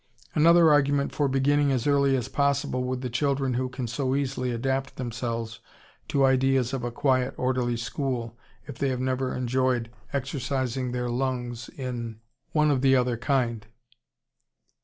Another argument for beginning as early as possible with the children who can so easily adapt themselves to ideas of a quiet, orderly school if they have never enjoyed exercising their lungs in one of the other kind!